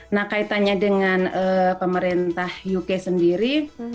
nah kaitannya dengan pemerintah uk sendiri